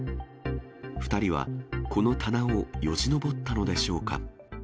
２人はこの棚をよじ登ったのでしょうか。